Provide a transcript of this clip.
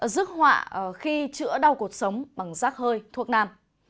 dứt họa khi chữa đau cuộc sống bằng rác hơi thuốc nam